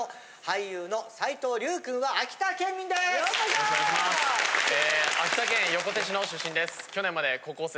よろしくお願いします。え！？